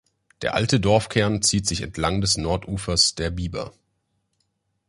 Der alte Dorfkern zieht sich entlang des Nordufers der Bieber.